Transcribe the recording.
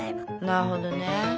なるほどね。